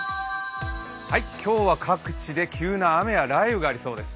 今日は各地で急な雨や雷雨があるようです。